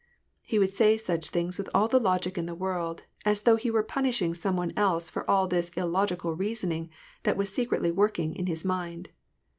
He would say such things with all the logic in the world, as though he were punishing some one else for all this illogical reason ing that was secretly working in his mind.